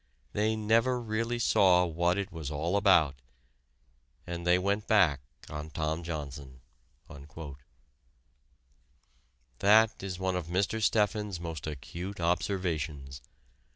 They never really saw what it was all about. And they went back on Tom Johnson." That is one of Mr. Steffens's most acute observations.